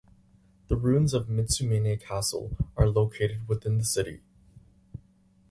The ruins of Mitsumine Castle are located within the city.